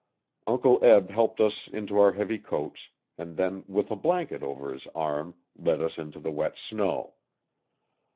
Uncle Eb helped us into our heavy coats, and then with a blanket over his arm led us into the wet snow.